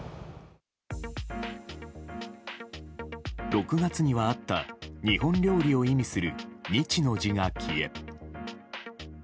６月にはあった日本料理を意味する日の字が消え。